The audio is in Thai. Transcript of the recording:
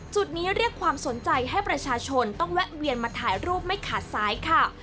จุดนี้เรียกความสนใจให้ประชาชนต้องแวะเวียนมาถ่ายรูปไม่ขาดซ้ายค่ะ